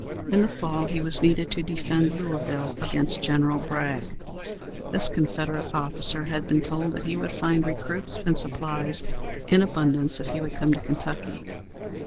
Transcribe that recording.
In the fall, he was needed to defend Louisville against General Bragg. This Confederate officer had been told that he would find recruits and supplies in abundance if he would come to Kentucky.